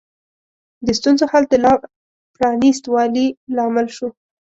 د ستونزو حل د لا پرانیست والي لامل شو.